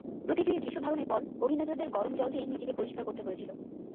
প্রতিটি দৃশ্য ধারণের পর অভিনেতাদের গরম জল দিয়ে নিজেকে পরিষ্কার করতে হয়েছিল।